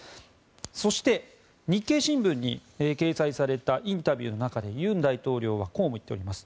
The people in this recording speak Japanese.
そして、日経新聞に掲載されたインタビューの中で尹大統領はこうも言っております。